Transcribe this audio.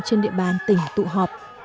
trên địa bàn tỉnh tụ họp